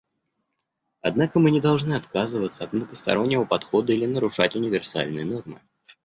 Однако мы не должны отказываться от многостороннего подхода или нарушать универсальные нормы.